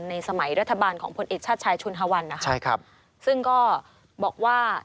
สมัยรัฐบาลของพลเอกชาติชายชุนฮวันนะคะใช่ครับซึ่งก็บอกว่า